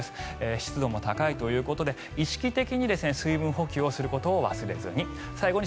湿度も高いということで意識的に水分補給することを忘れずに。